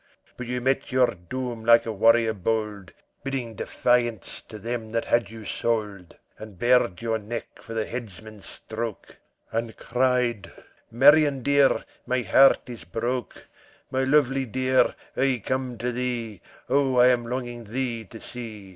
But you met your doom like a warrior bold, Bidding defiance to them that had you sold, And bared your neck for the headsman's stroke; And cried, 'Marion, dear, my heart is broke; My lovely dear I come to thee, Oh! I am longing thee to see!